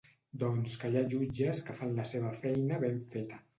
Doncs que hi ha jutges que fan la seva feina ben feta.